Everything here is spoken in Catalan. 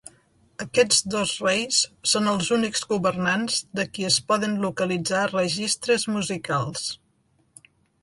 Aquests dos reis són els únics governants de qui es poden localitzar registres musicals.